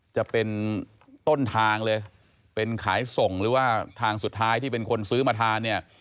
จะเป็นต้นทางเลยเป็นขายส่งหรือว่าทางสุดท้ายที่เป็นคนซื้อมาทานเนี่ย